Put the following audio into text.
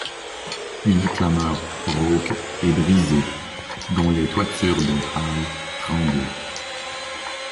une clameur rauque et brisée, dont les toitures des Halles tremblaient.